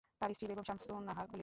তার স্ত্রী বেগম শামসুন নাহার খলিল।